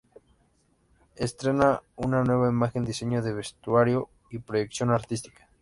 Estrena una nueva imagen diseño de vestuario y proyección artística.